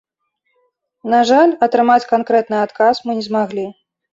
На жаль, атрымаць канкрэтны адказ мы не змаглі.